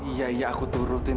iya iya aku turutin